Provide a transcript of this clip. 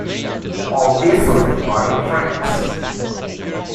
All these links are in French.